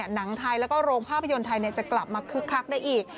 หนังไทยแล้วก็โรงภาพยนตร์ไทยจะกลับมาคึกคักได้อีก